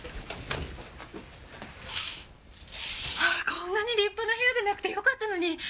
こんなに立派な部屋でなくてよかったのに。